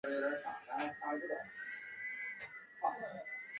也许是因为后悔